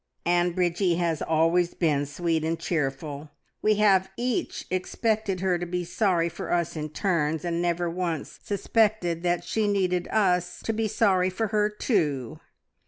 "And Bridgie has been always sweet and cheerful. We have each expected her to be sorry for us in turns, and never once suspected that she needed us to be sorry for her too.